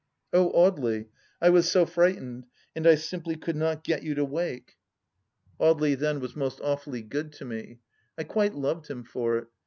" Oh, Audely, I was so frightened ... and I simply could not get you to wake I " 188 THE LAST DITCH Audely then was most awfuUy good to me. I quite loved him for it.